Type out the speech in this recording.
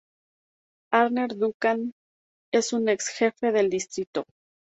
Arne Duncan es un ex-jefe del distrito.